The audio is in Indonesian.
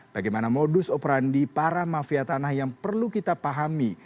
bagaimana modus operandi para mafia tanah yang perlu kita pahami